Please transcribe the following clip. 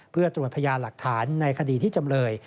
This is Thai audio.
เพื่อตรวจพยานหลักฐานในคดีที่จำเลย